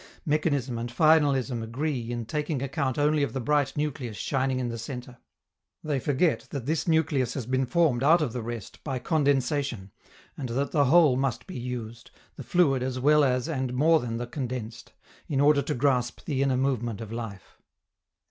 Mechanism and finalism agree in taking account only of the bright nucleus shining in the centre. They forget that this nucleus has been formed out of the rest by condensation, and that the whole must be used, the fluid as well as and more than the condensed, in order to grasp the inner movement of life.